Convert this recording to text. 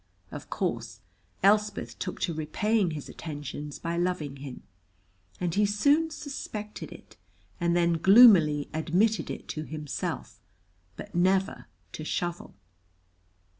Of course Elspeth took to repaying his attentions by loving him, and he soon suspected it, and then gloomily admitted it to himself, but never to Shovel.